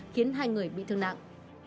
khiến hai người bị thương nặng